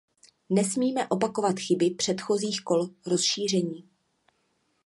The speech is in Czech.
Nesmíme opakovat chyby předchozích kol rozšíření.